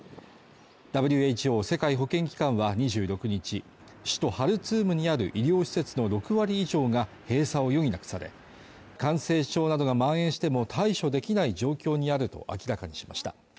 ＷＨＯ＝世界保健機関は２６日、首都ハルツームにある医療施設の６割以上が閉鎖を余儀なくされ、感性症などが蔓延しても対処できない状況にあると明らかにしました。